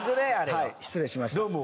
はい失礼しましたははは